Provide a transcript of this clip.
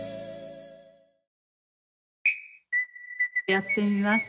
やってみます